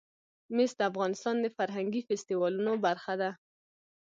مس د افغانستان د فرهنګي فستیوالونو برخه ده.